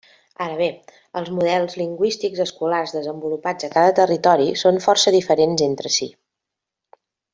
Ara bé, els models lingüístics escolars desenvolupats a cada territori són força diferents entre si.